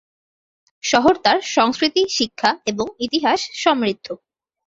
শহর তার সংস্কৃতি, শিক্ষা এবং ইতিহাস সমৃদ্ধ।